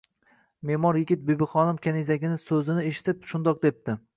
Me’mor yigit Bibixonim kanizagini so’zini eshitib shundoq debdi: